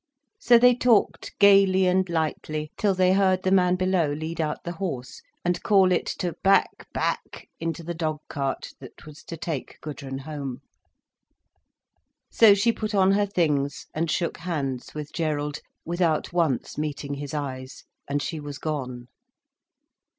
So they talked gaily and lightly, till they heard the man below lead out the horse, and call it to "back back!" into the dog cart that was to take Gudrun home. So she put on her things, and shook hands with Gerald, without once meeting his eyes. And she was gone.